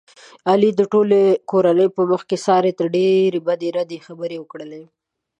علي د ټولې کورنۍ په مخ کې سارې ته ډېرې بدې ردې خبرې وکړلې.